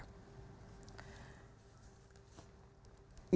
kini pkpi dipimpin oleh jenderal a m henro priyono dan sekjen imam ansori saleh